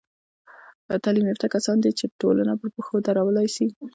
تعلیم یافته کسان دي، چي ټولنه پر پښو درولاى سي.